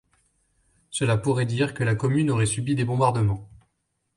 Cela pourrait dire que la commune aurait subi des bombardements.